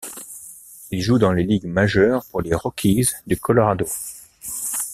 Il joue dans les Ligues majeures pour les Rockies du Colorado.